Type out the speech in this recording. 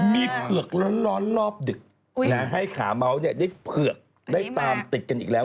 มีเผือกร้อนรอบดึกให้ขาเมาส์ได้เผือกได้ตามติดกันอีกแล้ว